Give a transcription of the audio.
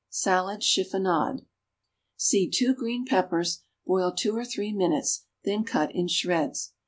=Salad Chiffonade.= Seed two green peppers, boil two or three minutes, then cut in shreds.